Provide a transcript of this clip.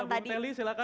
kita gabung teli silahkan